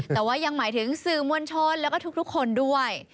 แต่ว่ายังหมายถึงสื่อมวลชนแล้วก็ทุกคนด้วย